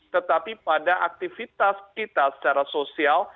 tetapi pada aktivitas kita secara sosial